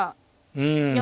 うん。